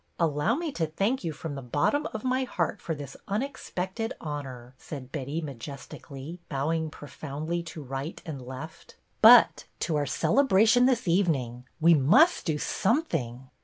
" Allow me to thank you from the bottom of my heart for this unexpected honor," said Betty majestically, bowing profoundly to right and left. " But to our celebration this evening ! We must do something."